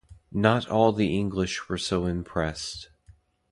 Not all the English were so impressed.